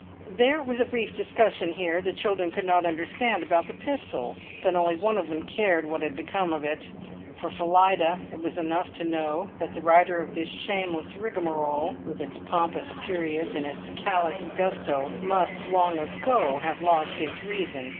There was a brief discussion here. The children could not understand about the pistol; but only one of them cared what had become of it. For Phillida it was enough to know that the writer of this shameless rigmarole, with its pompous periods and its callous gusto, must long ago have lost his reason.